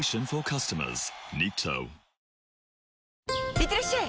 いってらっしゃい！